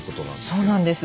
そうなんです。